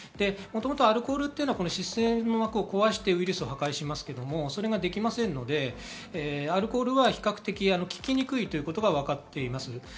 もともとアルコールは脂質性の膜を壊してウイルスを破壊しますけれど、それができませんので、アルコールは比較的効きにくいということがわかっています。